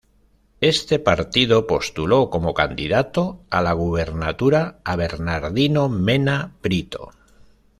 Este partido postuló como candidato a la gubernatura a Bernardino Mena Brito.